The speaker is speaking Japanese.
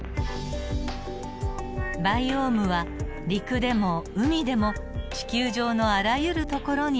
バイオームは陸でも海でも地球上のあらゆる所にあります。